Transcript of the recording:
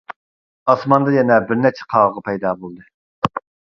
ئاسماندا يەنە بىر نەچچە قاغا پەيدا بولدى.